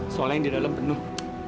soal yang di dalam penuh